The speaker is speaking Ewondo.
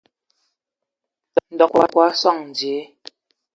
Ndɔ a akə kwi a sɔŋ dzie.